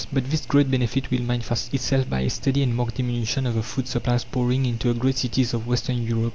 But this great benefit will manifest itself by a steady and marked diminution of the food supplies pouring into the great cities of western Europe.